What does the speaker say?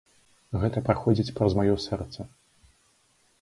Гэта праходзіць праз маё сэрца.